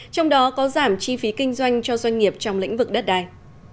trong đó có giảm chi phí kinh doanh cho doanh nghiệp trong lĩnh vực đất đai